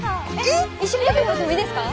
一緒に撮ってもらってもいいですか？